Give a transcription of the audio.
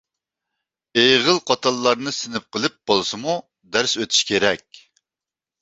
ئېغىل قوتانلارنى سىنىپ قىلىپ بولسىمۇ دەرس ئۆتۈش كېرەك.